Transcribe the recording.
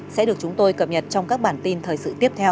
sẽ được chúng tôi cập nhật trong các bản tin thời sự tiếp theo